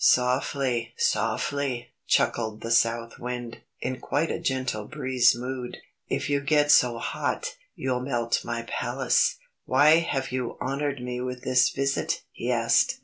"Softly, softly!" chuckled the South Wind, in quite a gentle breeze mood. "If you get so hot, you'll melt my Palace. Why have you honoured me with this visit?" he asked.